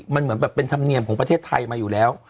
มันเหมือนแบบเป็นธรรมเนียมของประเทศไทยมาอยู่แล้ว